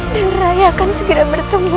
dan rai akan segera bertemu